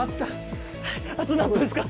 あと何分ですか？